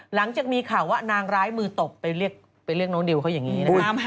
หลังจากมีข่าวว่านางร้ายมือตบไปเรียกน้องดิวเขาอย่างนี้นะครับ